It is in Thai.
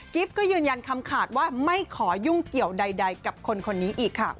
ฟก็ยืนยันคำขาดว่าไม่ขอยุ่งเกี่ยวใดกับคนคนนี้อีกค่ะ